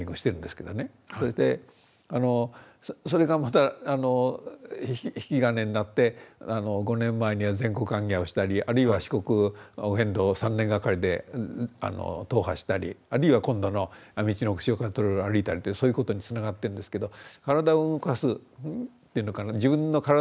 それでそれがまた引き金になって５年前には全国行脚をしたりあるいは四国お遍路を３年がかりで踏破したりあるいは今度の「みちのく潮風トレイル」歩いたりそういうことにつながってるんですけど体を動かすっていうのかな自分の体を鍛えるというのがね